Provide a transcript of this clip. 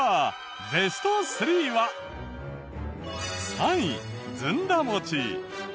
３位ずんだ餅。